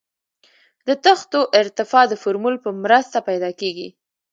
د تختو ارتفاع د فورمول په مرسته پیدا کیږي